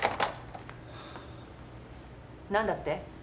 何だって？